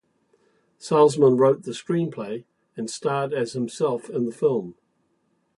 Salzman wrote the screenplay and starred as himself in the film.